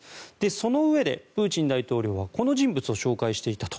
そのうえで、プーチン大統領はこの人物を紹介していたと。